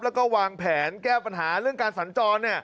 แล้วก็วางแผนแก้ปัญหาเรื่องการสัญจร